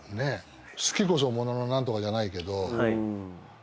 好きこそ物の何とかじゃないけど。